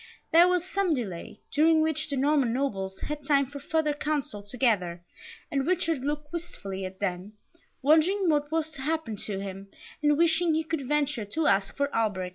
There was some delay, during which the Norman Nobles had time for further counsel together, and Richard looked wistfully at them, wondering what was to happen to him, and wishing he could venture to ask for Alberic.